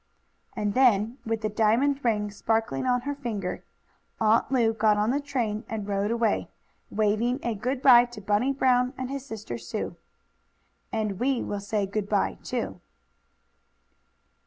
And then, with the diamond ring sparkling on her finger, Aunt Lu got on the train and rode away, waving a good bye to Bunny Brown and his sister Sue. And we will say good bye, too.